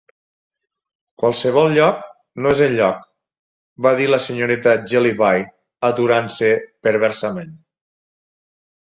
"Qualsevol lloc no és enlloc", va dir la senyoreta Jellyby, aturant-se perversament.